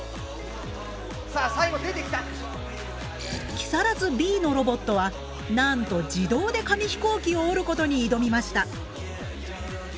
木更津Ｂのロボットはなんと自動で紙飛行機を折ることに挑みました。